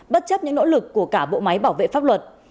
bất chấp những nỗ lực của cả bộ máy bảo vệ pháp luật